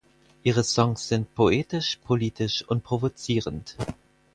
Ihre Songs sind poetisch, politisch und provozierend.